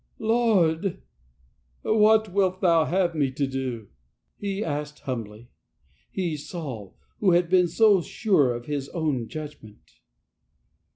" Lord, what wilt Thou have me to do ?" he asked humbly — ^he, Saul, who had been so sure of his own judgment.